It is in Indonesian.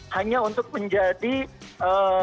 hanya untuk menjaga kemampuannya